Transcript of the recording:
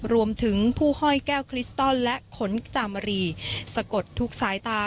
รวมถึงผู้ห้อยแก้วคริสตอลและขนจามรีสะกดทุกสายตา